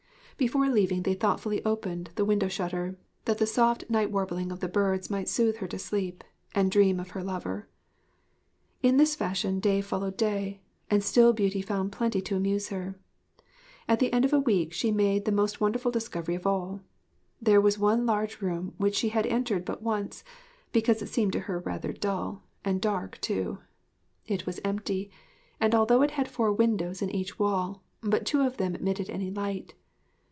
Before leaving they thoughtfully opened the window shutter, that the soft night warbling of the birds might soothe her to sleep and dream of her lover. In this fashion day followed day, and still Beauty found plenty to amuse her. At the end of a week she made the most wonderful discovery of all. There was one large room which she had entered but once, because it seemed to her rather dull, and dark too. It was empty; and although it had four windows in each wall, but two of them admitted any light.